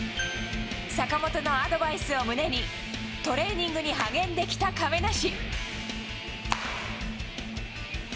坂本のアドバイスを胸に、トレーニングに励んできた亀梨。